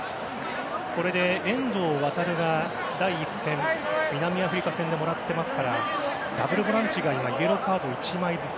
これで遠藤航が第１戦南アフリカ戦でもらってますからダブルボランチが今、イエローカード１枚ずつ。